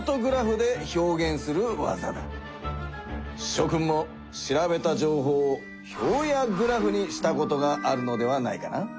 しょ君も調べた情報を表やグラフにしたことがあるのではないかな？